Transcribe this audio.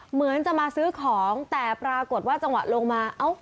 เหมือนจะมาซื้อของแต่ปรากฏว่าจังหวะลงมาเอ้า